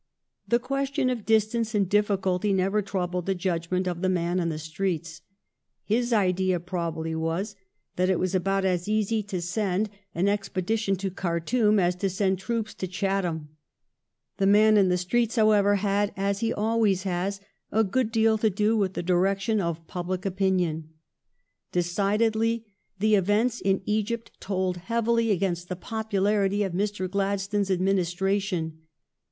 The question of distance and difficulty never troubled the judg ment of the man in the streets. His idea prob ably was that it was about as easy to send an 3 so THE STORY OF GLADSTONE'S LIFE expedition to Khartoum as to send troops to Chatham. The man in the streets, however, had, as he always has, a good deal to do with the direction of public opinion. Decidedly the events in Egypt told heavily against the popularity of Mr. Gladstone's administration.